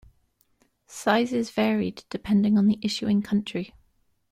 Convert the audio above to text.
Sizes varied depending on the issuing country.